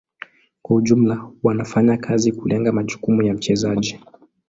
Kwa ujumla wanafanya kazi kulenga majukumu ya mchezaji.